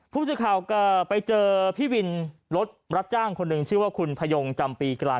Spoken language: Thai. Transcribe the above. ผู้สื่อข่าวก็ไปเจอพี่วินรถรับจ้างคนหนึ่งชื่อว่าคุณพยงจำปีกลาย